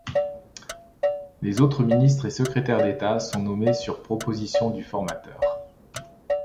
Les autres ministres et secrétaires d’État sont nommés sur proposition du formateur.